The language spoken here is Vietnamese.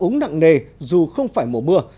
ống nặng nề dù không phải mùa mưa